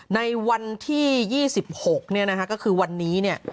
ในวันที่๒๖เนี่ยนะคะก็คือวันนี้เนี่ย